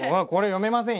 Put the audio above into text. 読めません